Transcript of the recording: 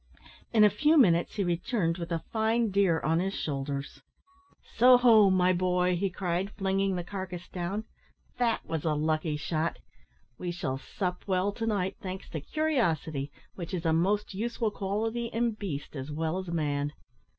In a few minutes he returned with a fine deer on his shoulders. "So ho! my boy," he cried, flinging the carcase down; "that was a lucky shot. We shall sup well to night, thanks to curiosity, which is a most useful quality in beast as well as man.